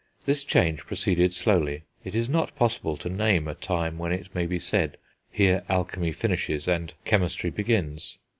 This change proceeded slowly; it is not possible to name a time when it may be said, here alchemy finishes and chemistry begins.